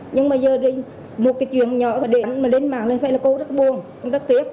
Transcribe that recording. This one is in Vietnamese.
nhưng mà giờ đi một cái chuyện nhỏ để đánh mà lên mạng lên phải là cô rất buồn rất tiếc